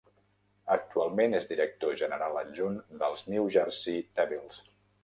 Actualment és director general adjunt dels New Jersey Devils.